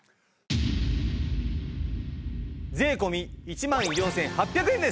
税込１万４８００円です。